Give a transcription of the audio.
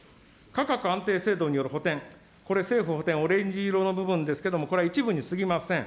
価格安定制度による補填、これ、政府補填、オレンジ色の部分ですけれども、これは一部にすぎません。